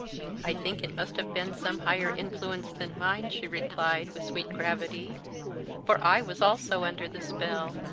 "I think it must have been some higher influence than mine," she replied, with sweet gravity, "for I was also under the spell.